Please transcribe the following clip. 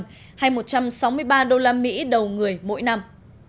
hay một trăm sáu mươi ba usd đầu người mỗi năm